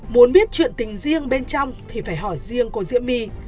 muốn biết chuyện tình riêng bên trong thì phải hỏi riêng cô diễm my